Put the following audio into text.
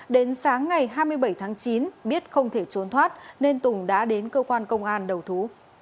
đến sáng ngày hai mươi bảy tháng chín biết không thể trốn thoát nên tùng đã đến cơ quan công an đầu thú